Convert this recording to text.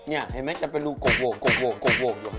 นี่ให้เห็นซะลูกกกวกกกงกกง